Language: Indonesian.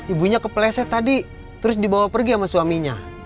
ibunya kepleset tadi terus dibawa pergi sama suaminya